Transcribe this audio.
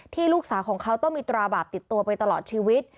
ลูกสาวของเขาต้องมีตราบาปติดตัวไปตลอดชีวิต